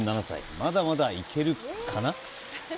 まだまだいけるかな？